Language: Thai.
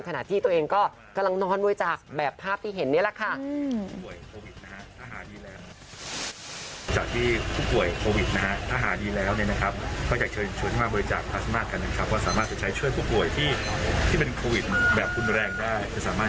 ขณะที่ตัวเองก็กำลังนอนบริจาคแบบภาพที่เห็นนี่แหละค่ะ